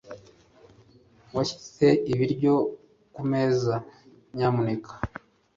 Washyize ibiryo kumeza nyamuneka